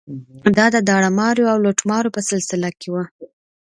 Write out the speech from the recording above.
دا د داړه ماریو او لوټماریو په سلسله کې وه.